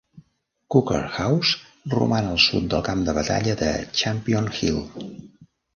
Coker House roman al sud del camp de batalla de Champion Hill.